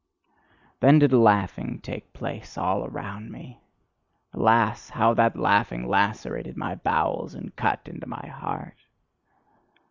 Then did a laughing take place all around me. Alas, how that laughing lacerated my bowels and cut into my heart!